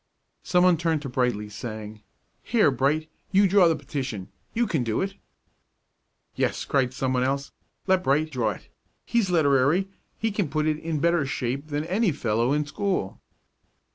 Some one turned to Brightly, saying, "Here, Bright, you draw the petition; you can do it." "Yes," cried some one else, "let Bright draw it; he's literary; he can put it in better shape than any other fellow in school."